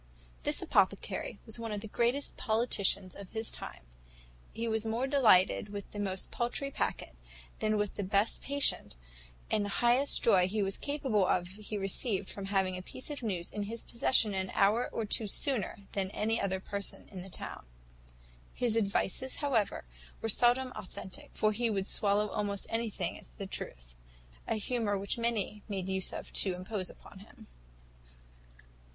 "This apothecary was one of the greatest politicians of his time. He was more delighted with the most paultry packet, than with the best patient, and the highest joy he was capable of, he received from having a piece of news in his possession an hour or two sooner than any other person in the town. His advices, however, were seldom authentic; for he would swallow almost anything as a truth a humour which many made use of to impose upon him.